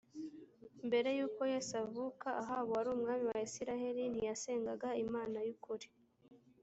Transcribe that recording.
mbere y uko yesu avuka ahabu wari umwami wa isirayeli ntiyasengaga imana y ukuri